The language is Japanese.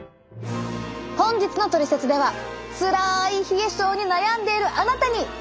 本日のトリセツではつらい冷え症に悩んでいるあなたに！